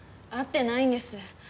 会ってないんです。